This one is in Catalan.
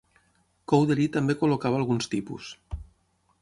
Cowdery també col·locava alguns tipus.